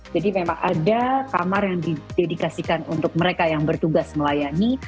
jadi memang ada kamar yang didedikasikan untuk mereka yang bertugas melayani